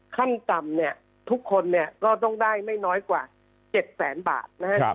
ขั้นต่ำทุกคนก็ต้องได้ไม่น้อยกว่า๗๐๐๐๐๐บาท